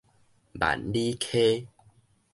萬里溪